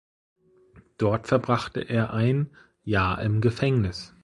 Dort verbrachte er ein Jahr im Gefängnis.